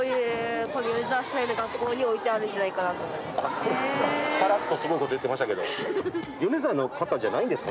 あそうなんですか。